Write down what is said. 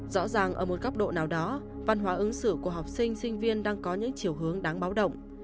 rõ ràng ở một góc độ nào đó văn hóa ứng xử của học sinh sinh viên đang có những chiều hướng đáng báo động